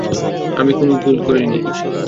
আমি কোনও ভুল করিনি।